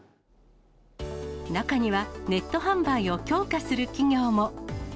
中には、ネット販売を強化する企業も。